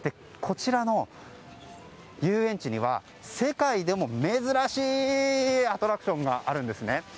こちらの遊園地には世界でも珍しいアトラクションがあるんです。